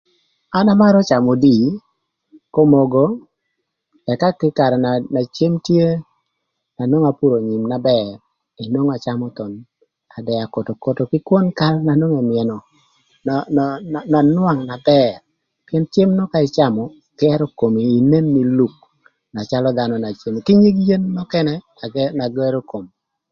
An amarö camö odii ëka omogo ëka ka karë na cem tye na nwongo apuro nyïm na bër nwongo acamö thon dëk akotokoto kï kwon kal na nwongo ëmyënö na nwang na bër pïën cem nön ka ïcamö gërö komi inen nï luk na calö dhanö na cemo na bër kï nyig yen nökënë na gërö kom.